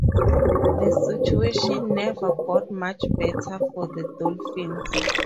The situation never got much better for the Dolphins.